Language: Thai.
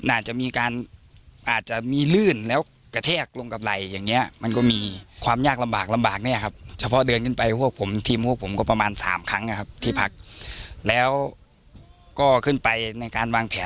อาจจะมีการส่วนชาวและกระแทกร่งเลยมันก็มีความยากลำบากเนี่ยครับ